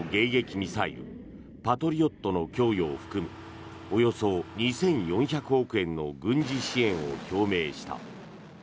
ミサイルパトリオットの供与を含むおよそ２４００億円の軍事支援を表明した。